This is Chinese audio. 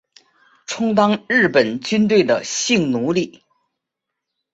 充当日本军队的性奴隶